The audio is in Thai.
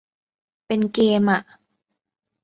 เป็นเกมอ่ะ